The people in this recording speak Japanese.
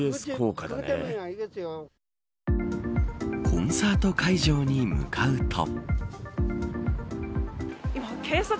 コンサート会場に向かうと。